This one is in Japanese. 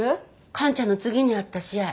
かんちゃんの次にあった試合。